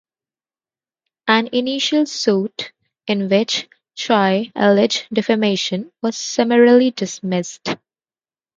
An initial suit, in which Chai alleged defamation, was summarily dismissed.